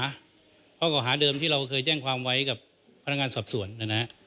ข้อเก่าหาเดิมที่เราเคยแจ้งความไว้กับพนักงานสอบสวนนะฮะ